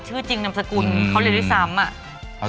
ชื่อจริงนามสกุลเขาเรียนด้วยซ้ำอะ